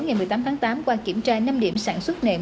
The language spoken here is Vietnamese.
ngày một mươi tám tháng tám qua kiểm tra năm điểm sản xuất nệm